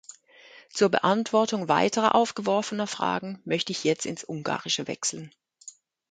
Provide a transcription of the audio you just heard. Zur Beantwortung weiterer aufgeworfener Fragen möchte ich jetzt ins Ungarische wechseln.